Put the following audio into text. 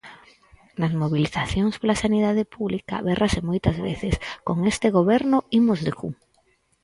Nas mobilizacións pola sanidade pública bérrase moitas veces 'con este goberno, imos de cu'.